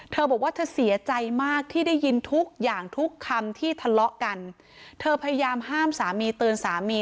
เธอบอกว่าเธอเสียใจมากที่ได้ยินทุกอย่างทุกคำที่ทะเลาะกันเธอพยายามห้ามสามีเตือนสามี